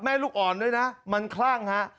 ลูกอ่อนด้วยนะมันคลั่งฮะ